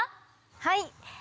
はい！